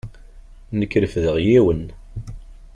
Nekk refdeɣ yiwen.